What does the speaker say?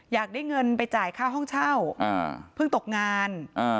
อยากได้เงินไปจ่ายค่าห้องเช่าเพิ่งตกงาน